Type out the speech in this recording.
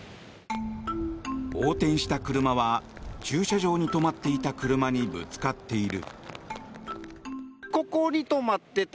横転した車は駐車場に止まっていた車にぶつかっている。